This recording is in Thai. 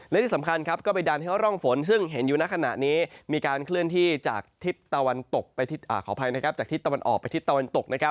และที่สำคัญก็ไปดันเที่ยวร่องฝนซึ่งเห็นอยู่ในขณะนี้มีการเคลื่อนที่จากทิศตะวันออกไปทิศตะวันตก